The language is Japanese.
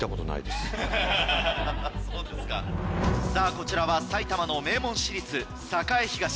こちらは埼玉の名門私立栄東。